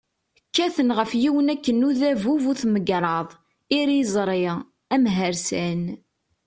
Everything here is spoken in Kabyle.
Kkaten ɣef yiwen akken udabu bu-tmegraḍ, iriẓri, amhersan.